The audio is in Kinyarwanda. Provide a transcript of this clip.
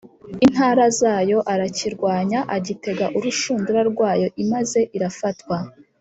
Intara zayo arakirwanya agitega urushundura rwayo imaze irafatwa